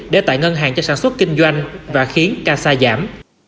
để tại ngân hàng cho sản xuất kinh doanh và khiến ca xa giảm